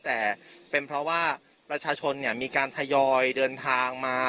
แต่เป็นเพราะว่าประชาชนมีการทยอยเดินทางมา